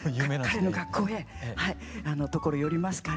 彼の学校のところ寄りますから。